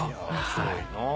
すごいなぁ。